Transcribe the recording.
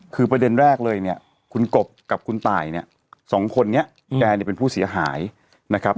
คือประเด็นแรกเลยคุณกบกับคุณไต่๒คนนี้แกเป็นผู้เสียหายนะครับ